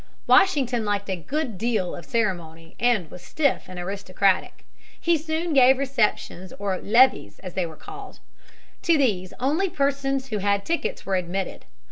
Washington liked a good deal of ceremony and was stiff and aristocratic. He soon gave receptions or "levees" as they were called. To these only persons who had tickets were admitted.